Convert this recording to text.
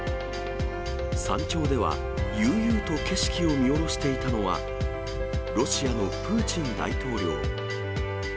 山頂では悠々と景色を見下ろしていたのは、ロシアのプーチン大統領。